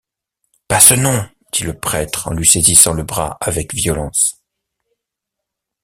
Pas ce nom! dit le prêtre en lui saisissant le bras avec violence.